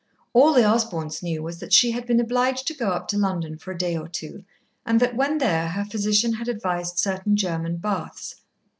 All the Osborns knew was that she had been obliged to go up to London for a day or two, and that when there, her physician had advised certain German baths.